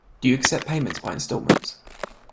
Do you accept payment by instalments?